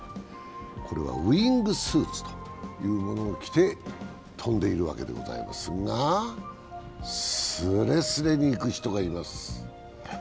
これはウイングスーツというものを着て飛んでいるわけでありますが、すれすれに行く人がいます。